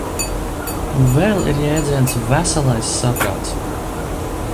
Un vēl ir jēdziens "veselais saprāts".